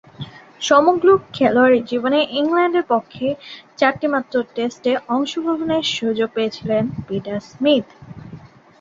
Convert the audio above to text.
সমগ্র খেলোয়াড়ী জীবনে ইংল্যান্ডের পক্ষে চারটিমাত্র টেস্টে অংশগ্রহণের সুযোগ পেয়েছিলেন পিটার স্মিথ।